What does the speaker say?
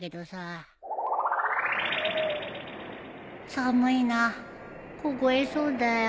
寒いな凍えそうだよ